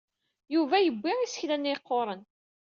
Yuba yebbi isekla-nni yeqquren.